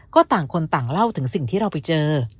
ก็ต่างคนต่างเล่าถึงสิ่งที่เราไปเจอ